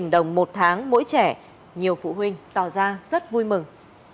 một trăm sáu mươi đồng một tháng mỗi trẻ nhiều phụ huynh tỏ ra rất vui mừng